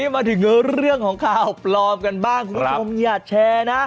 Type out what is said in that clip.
มาถึงเรื่องของข่าวปลอมกันบ้างคุณผู้ชมอย่าแชร์นะ